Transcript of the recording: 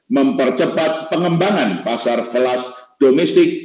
tiga mempercepat pengembangan pasar velas domestik